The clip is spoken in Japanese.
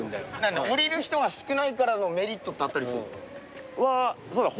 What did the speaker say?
降りる人が少ないからのメリットってあったりするの？